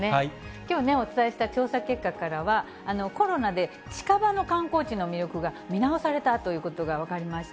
きょうお伝えした調査結果からは、コロナで近場の観光地の魅力が見直されたということが分かりました。